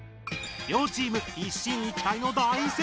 りょうチーム一進一退の大接戦！